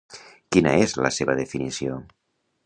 Quina és la seva definició?